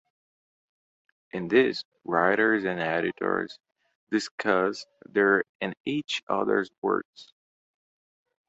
In this, writers and editors discussed their and each other's works.